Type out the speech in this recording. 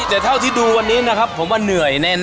แต่เท่าที่ดูวันนี้นะครับผมว่าเหนื่อยแน่